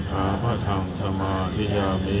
อธินาธาเวระมะนิสิขาปะทังสมาธิยามี